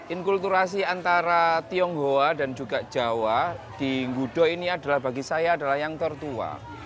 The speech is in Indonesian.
inkulturasi antara tionghoa dan juga jawa di gudo ini adalah bagi saya adalah yang tertua